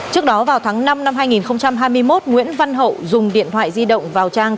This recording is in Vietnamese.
trước đó vào tháng năm năm hai nghìn hai mươi một nguyễn văn hậu dùng điện thoại di động vào trang